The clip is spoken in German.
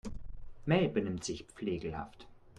Mel benimmt sich flegelhaft.